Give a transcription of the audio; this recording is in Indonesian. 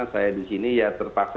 saya disini ya terpaksa